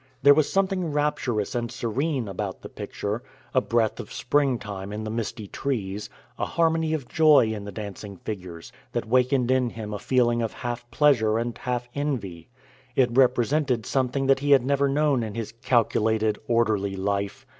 There was something rapturous and serene about the picture, a breath of spring time in the misty trees, a harmony of joy in the dancing figures, that wakened in him a feeling of half pleasure and half envy. It represented something that he had never known in his calculated, orderly life.